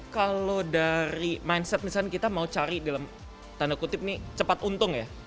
kalau dari mindset misalnya kita mau cari dalam tanda kutip nih cepat untung ya